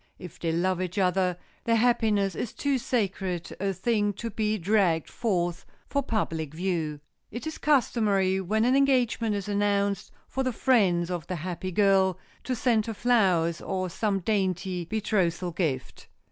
If they love each other, their happiness is too sacred a thing to be dragged forth for public view. It is customary, when an engagement is announced, for the friends of the happy girl to send her flowers, or some dainty betrothal gift.